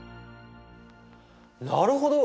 なるほど。